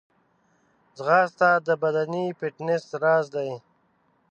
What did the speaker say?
ځغاسته د بدني فټنس راز دی